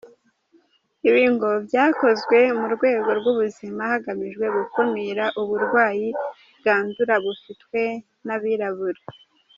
Ibi ngo byakozwe mu rwego rw’ubuzima, hagamijwe gukumira uburwayi bwandura bufitwe n’abirabura.